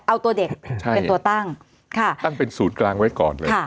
เอาตัวเด็กเป็นตัวตั้งตั้งเป็นศูนย์กลางไว้ก่อนเลย